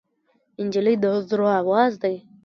نجلۍ د زړه آواز دی.